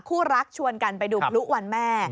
คู่รักชวนกันไปดูพลุวันแม่